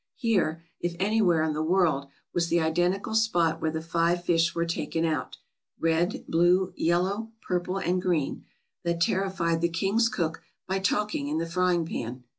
Here, if anywhere in the world, was the identical spot where the five fish were taken out — red, blue, yellow, purple, and green — that terrified the king's cook by talking in the frying pan.